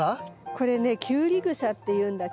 これねキュウリグサっていうんだけど。